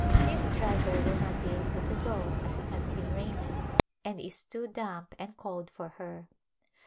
Miss Driver will not be able to go as it has been raining and is too damp and cold for her.